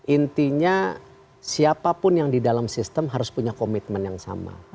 intinya siapapun yang di dalam sistem harus punya komitmen yang sama